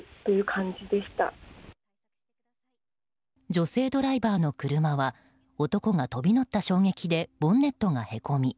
女性ドライバーの車は男が飛び乗った衝撃でボンネットがへこみ